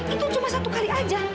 itu cuma satu kali aja